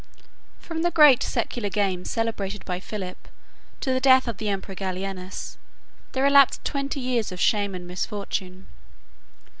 From the great secular games celebrated by Philip, to the death of the emperor Gallienus, there elapsed twenty years of shame and misfortune.